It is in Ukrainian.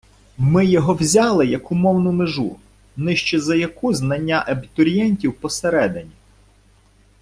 Ми його взяли як умовну межу, нижче за яку знання абітурієнтів посередні.